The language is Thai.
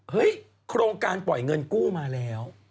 โครงการปล่อยเงินกู้มาแล้ว